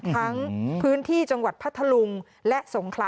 พื้นที่จังหวัดพัทธลุงและสงขลา